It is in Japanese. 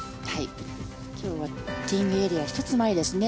今日はティーイングエリア１つ前ですね。